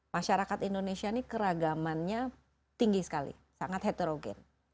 masyarakat indonesia ini keragamannya tinggi sekali sangat heterogen